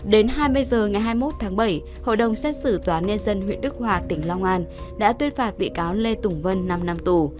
đến hai mươi h ngày hai mươi một tháng bảy hội đồng xét xử tòa án nhân dân huyện đức hòa tỉnh long an đã tuyên phạt bị cáo lê tùng vân năm năm tù